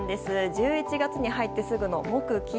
１１月に入ってすぐの木金